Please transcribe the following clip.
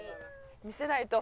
見せないと。